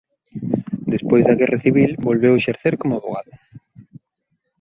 Despois da Guerra Civil volveu exercer como avogado.